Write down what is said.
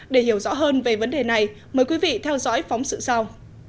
để hiểu rõ hơn về vấn đề này mời quý vị theo dõi phóng sự sau